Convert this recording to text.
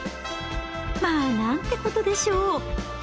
まあなんてことでしょう！